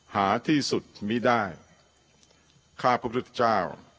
หาที่สุดไม่ได้ข้าพระพุทธเจ้า